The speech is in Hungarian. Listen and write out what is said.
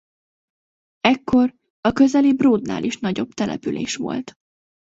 Ekkor a közeli Bródnál is nagyobb település volt.